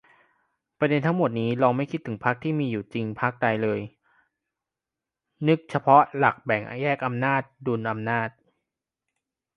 ประเด็นทั้งหมดนี้ ลองไม่คิดถึงพรรคที่มีอยู่จริงพรรคใดเลย นึกเฉพาะหลักแบ่งแยกอำนาจ-ดุลอำนาจ